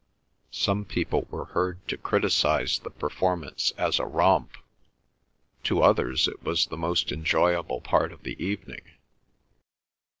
Some people were heard to criticise the performance as a romp; to others it was the most enjoyable part of the evening.